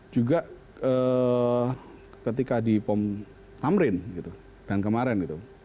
juga ketika di pom tamrin gitu dan kemarin gitu